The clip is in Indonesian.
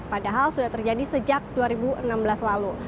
padahal sudah terjadi sejak dua ribu enam belas lalu